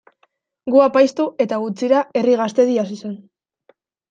Gu apaiztu eta gutxira Herri Gaztedi hasi zen.